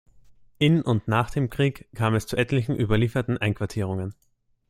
In und nach dem Krieg kam es zu etlichen überlieferten Einquartierungen.